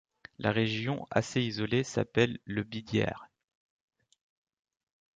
La région, assez isolée, s'appelle le Badiar.